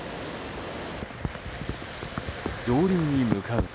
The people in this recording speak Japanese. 上流に向かうと。